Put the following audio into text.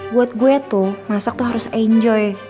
buat gue tuh masak tuh harus enjoy